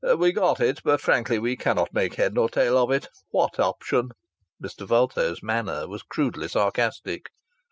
"We got it, but frankly we cannot make head or tail of it!... What option?" Mr. Vulto's manner was crudely sarcastic.